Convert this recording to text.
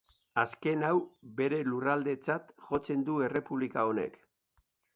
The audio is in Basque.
Azken hau bere lurraldetzat jotzen du errepublika honek.